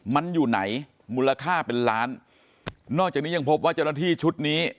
มันอยู่ไหนมูลค่าเป็นล้านนอกจากนี้ยังพบว่าเจ้าหน้าที่ชุดนี้